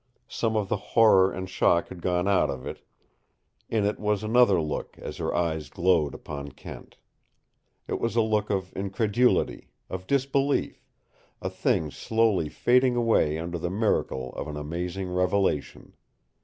Some of the horror and shock had gone out of it. In it was another look as her eyes glowed upon Kent. It was a look of incredulity, of disbelief, a thing slowly fading away under the miracle of an amazing revelation.